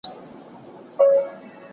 كښېنستلى كرار نه يم له چالونو